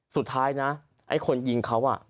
สุดท้ายนะไอ้คนยิงเขา